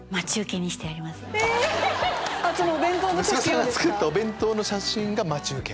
息子さんが作ったお弁当の写真が待ち受け。